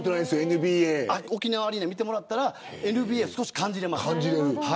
沖縄アリーナを見てもらったら少しＮＢＡを感じられます。